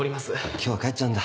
今日は帰っちゃうんだ。